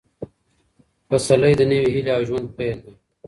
پسرلی د نوې هیلې او ژوند پیل دی.